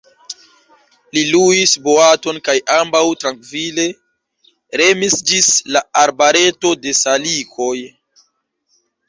Li luis boaton kaj ambaŭ trankvile remis ĝis la arbareto de salikoj.